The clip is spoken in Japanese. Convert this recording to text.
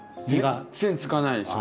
全然つかないでしょ。